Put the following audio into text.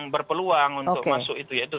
berpeluang untuk masuk itu yaitu satu ahj